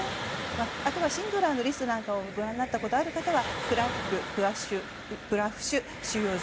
あとは「シンドラーのリスト」なんかをご覧になったことがある人はクラクフ・プワシュフ収容所。